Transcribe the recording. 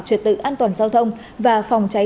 truyệt tự an toàn giao thông và phòng cháy